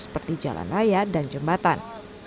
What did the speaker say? seperti jalan raya dan jembatan